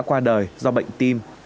bà đã qua đời do bệnh tim